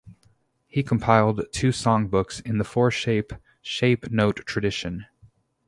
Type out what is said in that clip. He compiled two songbooks in the four-shape shape note tradition.